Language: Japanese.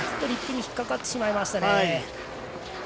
リップに引っかかってしまいましたね。